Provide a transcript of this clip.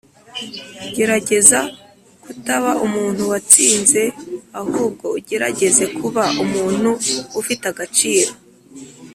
"gerageza kutaba umuntu watsinze, ahubwo ugerageze kuba umuntu ufite agaciro."